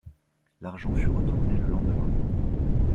L'argent fut retourné le lendemain.